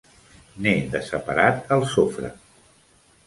N'he de separat el sofre.